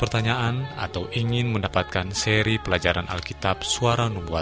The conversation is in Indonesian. kasian kekal selamanya jadinya nyam surga